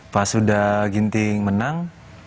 pas sudah ginting menang